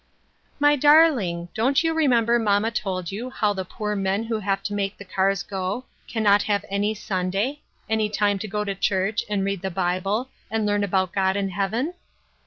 "My darling, don't you remember mamma told you how the poor men who have to make the cars go, can not have any Sunday — any time to go to church, and read the Bible, and learn about God and heaven